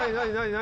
何？